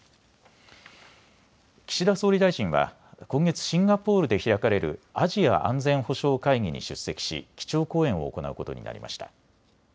岸田総理大臣は今月、シンガポールで開かれるアジア安全保障会議に出席し基調講演を行うことになりました。